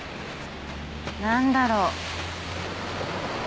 何だろう。